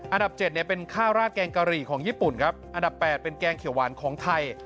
อันดับ๗เนี่ยเป็นข้าวราดแกงกะหรี่ของญี่ปุ่นครับอันดับ๘เป็นแกงเขียวหวานของไทย